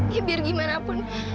ya biar gimana pun